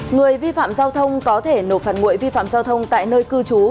người vi phạm giao thông có thể nổ phản nguội vi phạm giao thông tại nơi cư trú